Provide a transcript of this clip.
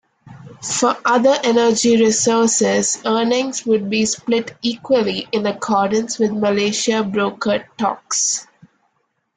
For other energy resources, earnings would be split equally in accordance with Malaysia-brokered talks.